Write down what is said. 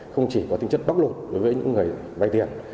không chỉ có tính chất bóc lột đối với những người vay tiền